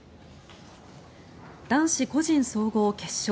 男子個人総合決勝。